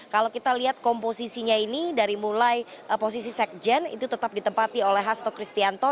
kalau kita lihat komposisinya ini dari mulai posisi sekjen itu tetap ditempati oleh hasto kristianto